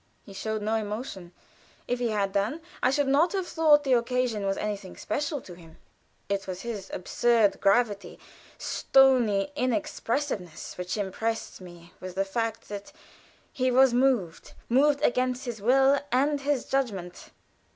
He showed no emotion; if he had done, I should not have thought the occasion was anything special to him. It was his absurd gravity, stony inexpressiveness, which impressed me with the fact that he was moved moved against his will and his judgment.